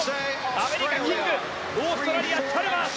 アメリカ、キングオーストラリア、チャルマース。